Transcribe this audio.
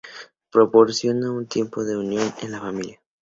Proporciona un tiempo de unión en la familia.